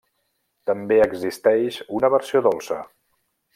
També existeix una versió dolça.